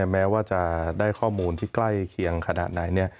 แม้ว่าจะได้ข้อมูลที่ใกล้เคียงขนาดไหน